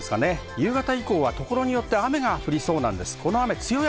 夕方以降は所によって雨が降りそうです。